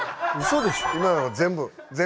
今の全部。